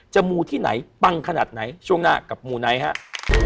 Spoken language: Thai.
มูที่ไหนปังขนาดไหนช่วงหน้ากับมูไนท์ครับ